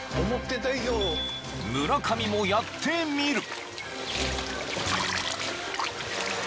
［村上もやってみる］